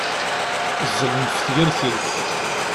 Ẓẓlen ɣef tgertilt.